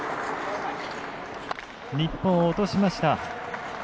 日本、落としました。